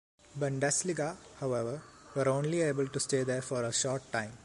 Bundesliga, however, were only able to stay there for a short time.